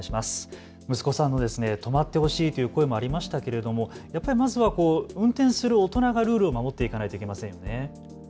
息子さんの止まってほしいという声もありましたけどやっぱりまずは運転する大人がルールを守っていかないといけませんよね。